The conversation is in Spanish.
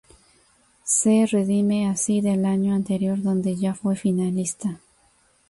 Se redime así del año anterior dónde ya fue finalista.